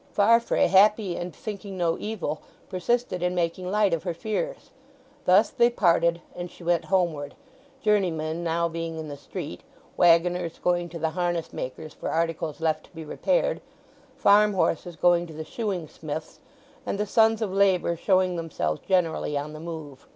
Farfrae, happy, and thinking no evil, persisted in making light of her fears. Thus they parted, and she went homeward, journeymen now being in the street, waggoners going to the harness makers for articles left to be repaired, farm horses going to the shoeing smiths, and the sons of labour showing themselves generally on the move.